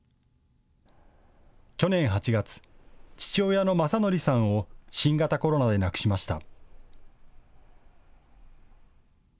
去年８月、父親の昌徳さんを新型コロナで亡くしました。